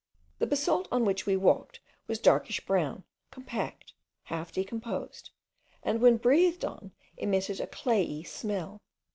The basalt on which we walked was darkish brown, compact, half decomposed, and when breathed on, emitted a clayey smell.